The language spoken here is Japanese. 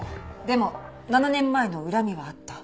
でも７年前の恨みはあった。